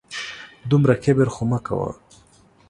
دومره کبر خو مه کوه